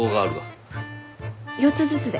４つずつで。